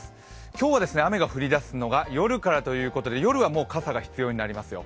今日は雨が降りだすのが夜からということで夜はもう傘が必要になりますよ。